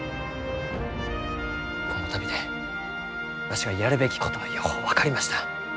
この旅でわしがやるべきことはよう分かりました。